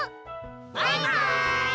バイバーイ！